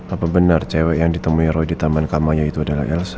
apa benar cewek yang ditemui roy di taman kamaya itu adalah elsa